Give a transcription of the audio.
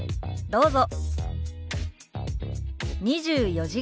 どうぞ。